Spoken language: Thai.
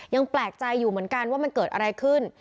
ยังแปลกใจอยู่เหมือนกันว่ามันเกิดอะไรขึ้น